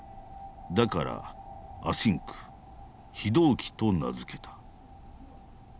だからアシンク非同期と名付けた。